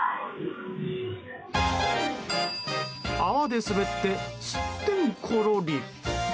泡で滑って、すってんころり！